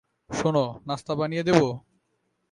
শোনো, নাস্তা বানিয়ে দেবো?